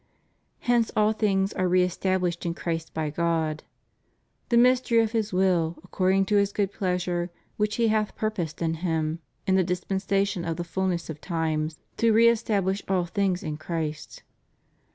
Hence all things are re estab lished in Christ by God. The mystery of His will, accord ing to His good pleasure, which He hath purposed in Him, in the dispensation of the fulness of times, to re establish all things in Christ.